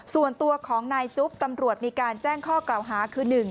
ส่วนตัวของนายจุ๊บตำรวจมีการแจ้งข้อกล่าวหาคือ๑